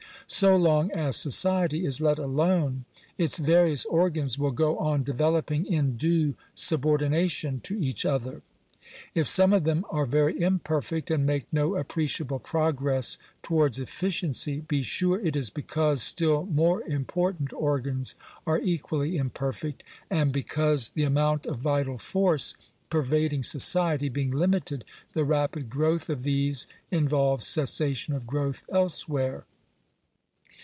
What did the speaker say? So long as society is let alone, ite various organs will go on developing in due subordination, to each other. If some of them are very imperfect, and make no appreciable progress towards efficiency, be sure it is because still more important organs are equally imperfect, and because Digitized by VjOOQIC 8ANITARY SUPERVISION. 391 the amount of vital force pervading society being limited, the rapid growth of these involves cessation of growth elsewhere.